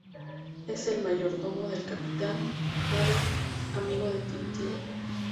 Es el mayordomo del Capitán Haddock, amigo de Tintín.